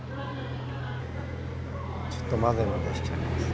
ちょっと混ぜ混ぜしちゃいます。